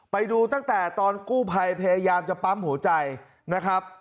ไปดูตั้งแต่ตอนกู้ภัยพยายามจะปั๊มหัวใจนะครับ